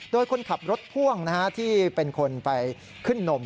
โดยคนขับรถพ่วงที่เป็นคนไปขึ้นนม